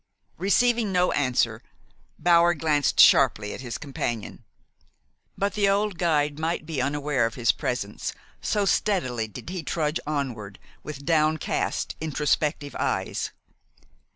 Receiving no answer, Bower glanced sharply at his companion; but the old guide might be unaware of his presence, so steadily did he trudge onward, with downcast, introspective eyes.